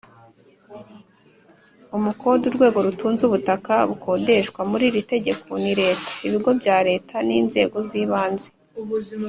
Umukode: urwego rutunze ubutaka bukodeshwa. Muri iri tegeko ni Leta, Ibigo bya Leta n’inzego z’ibanze